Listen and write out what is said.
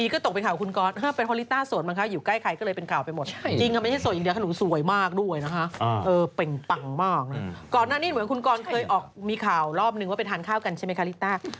ก่อนหน้านี้เหมือนคุณกรเคยออกมีข่าวรอบนึงว่าไปทานข้าวกันใช่ไหมคะลิต้า